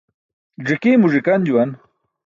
Ẓi̇kii̇ mo ẓi̇kan juwan.